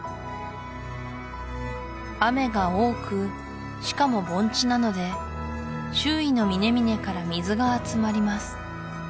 雨が多くしかも盆地なので周囲の峰々から水が集まります